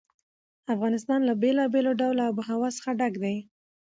افغانستان له بېلابېلو ډوله آب وهوا څخه ډک دی.